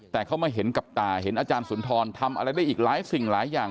แต่เขามาเห็นกับตาเห็นอาจารย์สุนทรทำอะไรได้อีกหลายสิ่งหลายอย่าง